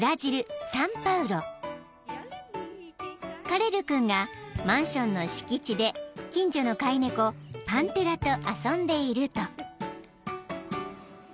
［カレル君がマンションの敷地で近所の飼い猫パンテラと遊んでいると］